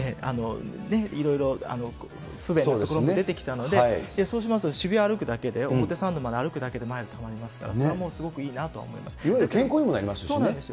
いろいろ不便なところも出てきたので、そうしますと渋谷歩くだけで、表参道まで歩くだけでマイルたまりますから、それはもうすごいわゆる健康にもなりますしそうなんですよ。